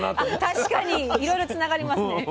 確かにいろいろつながりますね。